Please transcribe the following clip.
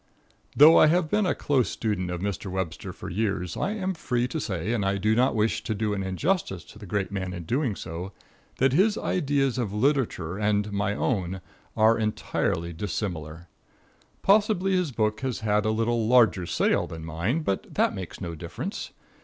Though I have been a close student of Mr. Webster for years, I am free to say, and I do not wish to do an injustice to a great man in doing so, that his ideas of literature and my own are entirely dissimilar. Possibly his book has had a little larger sale than mine, but that makes no difference.